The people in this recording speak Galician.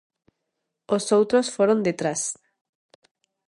Os outros foron detrás.